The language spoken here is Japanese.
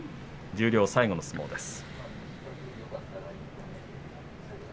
十両最後の相撲です。